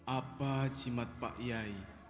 apa jimat pak iyai